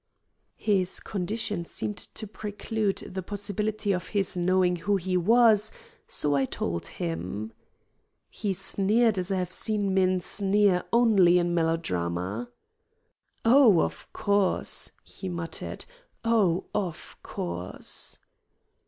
His condition seemed to preclude the possibility of his knowing who he was, so I told him. He sneered as I have seen men sneer only in melodrama. "Oh, of course," he muttered. "Oh, of course."